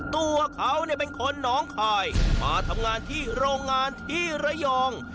ตัวเขาเป็นคนน้องคายมาทำงานที่โรงงานที่ระยอง